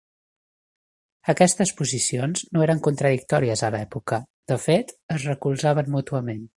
Aquestes posicions no eren contradictòries a l'època; de fet, es recolzaven mútuament.